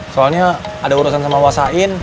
soalnya ada urusan sama wa sain